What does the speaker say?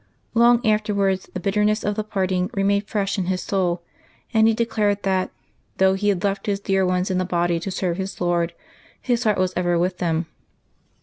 Long afterwards the bitterness of the parting remained fresh in his soul, and he declared that, ^'though he had left his dear ones in the body to serve his Lord, his heart w^as ever with them.